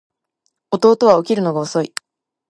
弟は起きるのが遅い